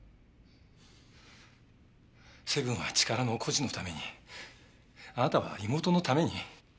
セブンは力の誇示のためにあなたは妹のために。